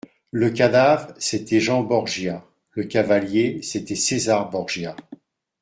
Le cadavre, c’était Jean Borgia ; le cavalier, c’était César Borgia.